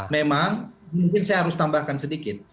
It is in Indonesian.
memang mungkin saya harus tambahkan sedikit